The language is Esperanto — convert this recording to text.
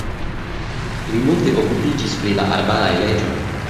Li multe okupiĝis pri la arbaraj leĝoj.